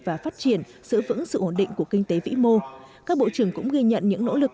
và phát triển giữ vững sự ổn định của kinh tế vĩ mô các bộ trưởng cũng ghi nhận những nỗ lực